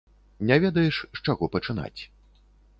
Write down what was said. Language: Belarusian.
Не ведаеш, з чаго пачынаць.